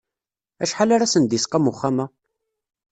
Acḥal ara sen-d-isqam uxxam-a?